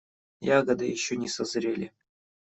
Ягоды еще не созрели.